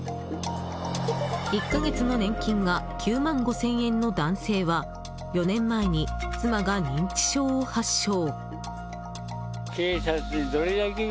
１か月の年金が９万５０００円の男性は４年前に妻が認知症を発症。